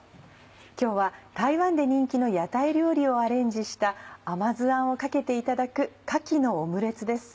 今日は台湾で人気の屋台料理をアレンジした甘酢あんをかけていただくかきのオムレツです。